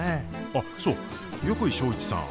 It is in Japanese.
あっそう横井庄一さん。